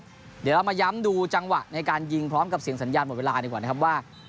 เดี๋ยวเรามาย้ำดูจังหวะในการยิงพร้อมกับเสียงสัญญาณหมดเวลาดีกว่านะครับว่า